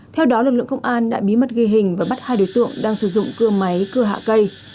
theo đó lực lượng công an đã bí mật ghi hình và bắt hai đối tượng đang sử dụng cưa máy cưa hạ cây